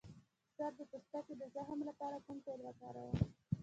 د سر د پوستکي د زخم لپاره کوم تېل وکاروم؟